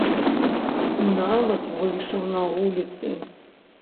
І нават выйшаў на вуліцы.